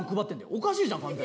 おかしいじゃん完全に。